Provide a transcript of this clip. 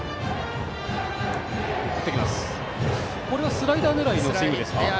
スライダー狙いのスイングでしたか？